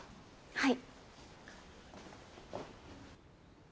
はい。